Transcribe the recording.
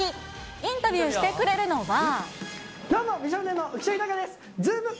インタビューしてくれるのは。